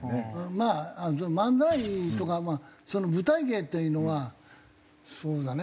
まあ漫才とか舞台芸っていうのはそうだね。